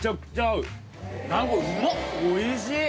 おいしい！